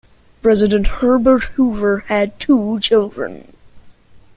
President Herbert Hoover had two children.